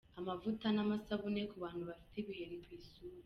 Amavuta n’amasabune ku bantu bafite ibiheri ku isura.